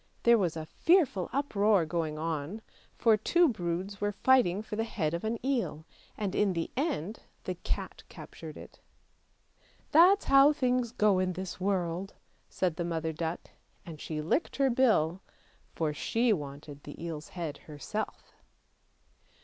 There was a fearful uproar going on, for two broods were fighting for the head of an eel, and in the end the cat captured it. " That's how things go in this world," said the mother duck, and she licked her bill, for she wanted the eel's head herself.